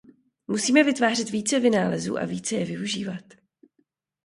Musíme vytvářet více vynálezů a více je využívat.